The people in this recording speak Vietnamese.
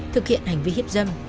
thực hiện hành vi hiếp dâm